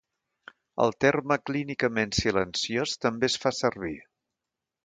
El terme clínicament silenciós també es fa servir.